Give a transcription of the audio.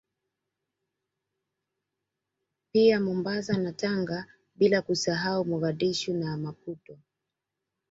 Pia Mombasa na Tanga bila kusahau Mogadishu na Maputo